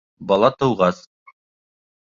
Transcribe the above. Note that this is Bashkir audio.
Бала тыуғас